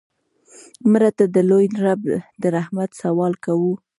مړه ته د لوی رب د رحمت سوال کوو